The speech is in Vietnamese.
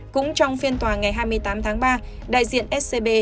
cũng trong phiên tòa ngày hai mươi tám tháng ba đại diện scb